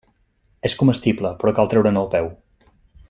És comestible, però cal treure'n el peu.